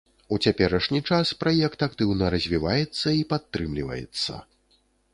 У цяперашні час праект актыўна развіваецца і падтрымліваецца.